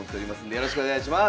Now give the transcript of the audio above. よろしくお願いします。